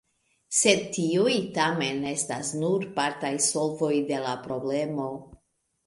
Sed tiuj tamen estas nur partaj solvoj de la problemo.